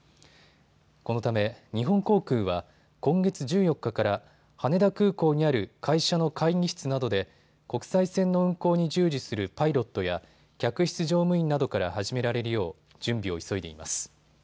このため日本航空は今月１４日から羽田空港にある会社の会議室などで国際線の運航に従事するパイロットや客室乗務員などから始められるよう準備を急いでいます。